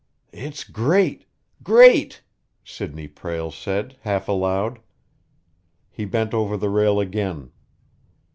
"It's great great!" Sidney Prale said, half aloud. He bent over the rail again.